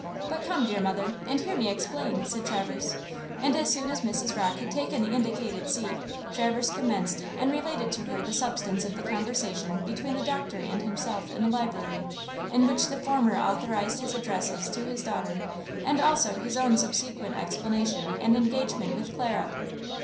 But come, dear mother, and hear me explain!" said Traverse, and as soon as Mrs. Rocke had taken the indicated seat, Traverse commenced and related to her the substance of the conversation between the doctor and himself in the library, in which the former authorized his addresses to his daughter, and also his own subsequent explanation and engagement with Clara.